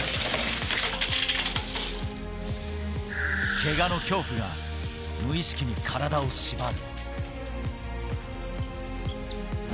けがの恐怖が、無意識に体を縛る。